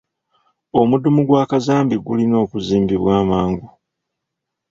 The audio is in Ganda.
Omudumu gwa kazambi gulina okuzimbibwa amangu.